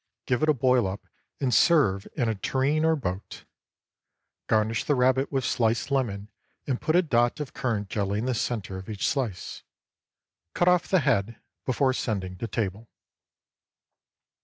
Give it a boil up, and serve in a tureen or boat. Garnish the rabbit with sliced lemon, and put a dot of currant jelly in the centre of each slice. Cut off the head before sending to table.